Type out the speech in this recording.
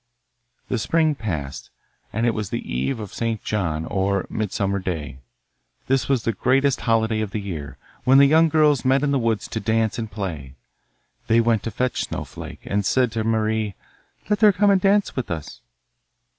The spring passed, and it was the eve of St. John, or Midsummer Day. This was the greatest holiday of the year, when the young girls met in the woods to dance and play. They went to fetch Snowflake, and said to Marie: 'Let her come and dance with us.